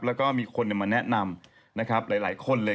แล้วก็มีคนมาแนะนำนะครับหลายคนเลย